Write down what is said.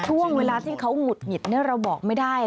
ช่วงเวลาที่เขาหงุดหงิดเราบอกไม่ได้